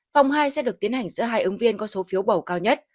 vòng hai sẽ được tiến hành giữa hai ứng viên có số phiếu bầu cao nhất